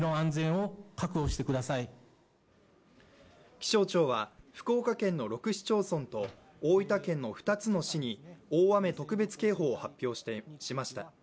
気象庁は福岡県の６市町村と大分県の２つの市に大雨特別警報を発表しました。